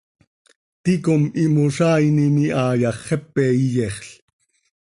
ticom imozaainim iha yax, xepe iyexl.